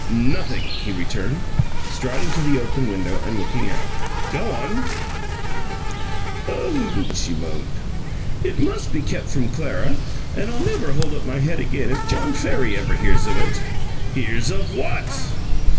"Nothing," he returned, striding to the open window and looking out. "Go on." "Oh," she moaned, "it must be kept from Clara and I'll never hold up my head again if John Farry ever hears of it!" "Hears of WHAT?"